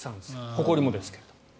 ほこりもですけど。